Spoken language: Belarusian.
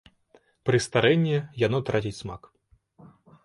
Пры старэнні яно траціць смак.